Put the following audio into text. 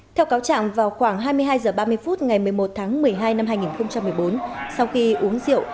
theo cáo trạng vào khoảng hai mươi hai h ba mươi phút ngày một mươi một tháng một mươi hai năm hai nghìn một mươi bốn sau khi uống rượu